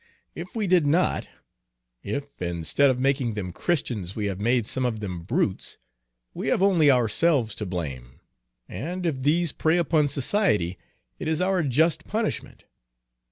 If we did not, if instead of making them Christians we have made some of them brutes, we have only ourselves to blame, and if these prey upon society, it is our just punishment!